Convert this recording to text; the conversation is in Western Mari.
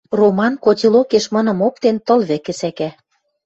Роман, котелокеш мыным оптен, тыл вӹкӹ сӓкӓ.